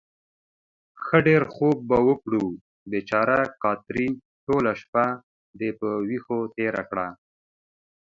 ښه ډېر خوب به وکړو. بېچاره کاترین، ټوله شپه دې په وېښو تېره کړه.